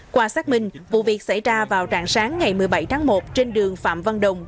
qua xác minh vụ việc xảy ra vào rạng sáng ngày một mươi bảy tháng một trên đường phạm văn đồng